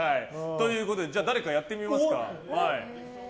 誰かやってみますか？